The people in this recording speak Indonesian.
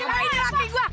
ini lagi gua